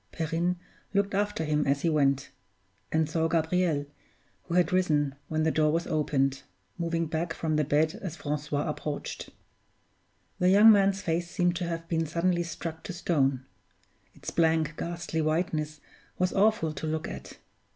Perrine looked after him as he went; and saw Gabriel, who had risen when the door was opened, moving back from the bed as Francois approached. The young man's face seemed to have been suddenly struck to stone its blank, ghastly whiteness was awful to look at.